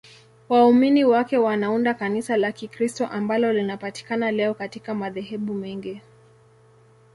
Waumini wake wanaunda Kanisa la Kikristo ambalo linapatikana leo katika madhehebu mengi.